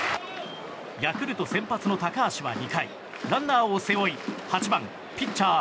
ヤクルト先発の高橋は２回ランナーを背負い８番、ピッチャー